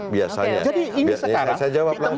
biasanya jadi ini sekarang